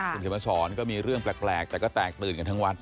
คุณเขียนมาสอนก็มีเรื่องแปลกแต่ก็แตกตื่นกันทั้งวัด